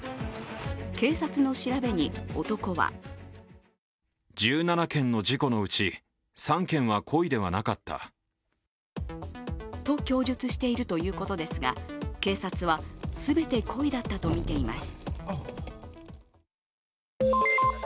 警察の調べに男はと供述しているということですが警察は全て故意だったとみています。